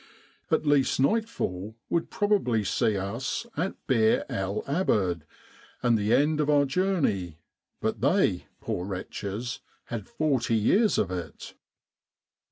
At least nightfall would probably see us at Bir el Abd, and the end of our journey ; but they, poor wretches, had forty years of it.